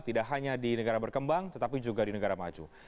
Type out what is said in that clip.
tidak hanya di negara berkembang tetapi juga di negara maju